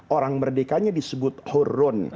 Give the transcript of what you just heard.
orang merdekanya disebut hurrun